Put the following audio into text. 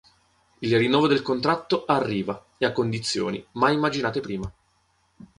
Il rinnovo del contratto arriva e a condizioni mai immaginate prima.